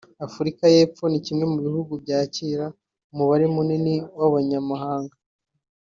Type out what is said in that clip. Afurika y’Epfo ni kimwe mu bihugu byakira umubare munini w’abanyamahanga